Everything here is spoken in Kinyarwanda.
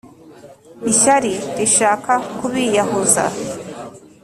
Ishyari rishaka kubiyahuza